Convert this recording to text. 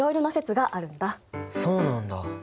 そうなんだ。